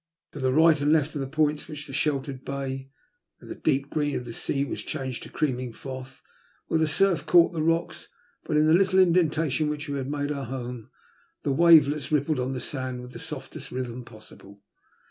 To right and left of the points which sheltered the bay, the deep green of the sea was changed to cream ing froth, where the surf caught the rocks ; but in the little indentation which we had made our home the wavelets rippled on the sand with the softest rhythm possible.